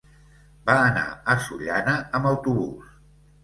Va anar a Sollana amb autobús.